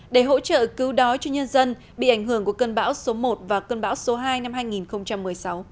để hỗ trợ cứu đói cho nhân dân bị ảnh hưởng của cơn bão số một và cơn bão số hai năm hai nghìn một mươi sáu